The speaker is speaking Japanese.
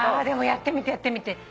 でもやってみてやってみて。